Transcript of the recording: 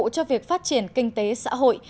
cho việc phát triển kinh tế xã hội